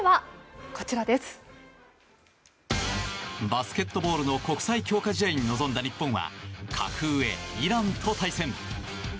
バスケットボールの国際強化試合臨んだ日本は格上、イランと対戦。